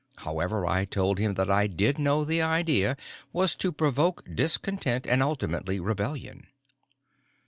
However, I told him that I did know the idea was to provoke discontent and, ultimately, rebellion.